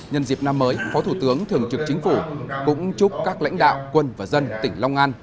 nhân dịp năm mới phó thủ tướng thường trực chính phủ cũng chúc các lãnh đạo quân và dân tỉnh long an